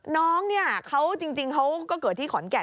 น้องเนี่ยเขาจริงเขาก็เกิดที่ขอนแก่น